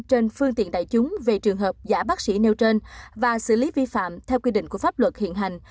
trên phương tiện đại chúng về trường hợp giả bác sĩ nêu trên và xử lý vi phạm theo quy định của pháp luật hiện hành